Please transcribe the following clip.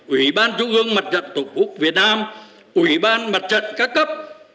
ủy ban trung ương mặt trận tổ quốc việt nam ủy ban mặt trận các cấp